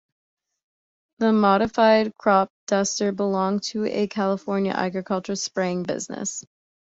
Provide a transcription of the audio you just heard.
The modified crop duster belonged to a California agricultural spraying business.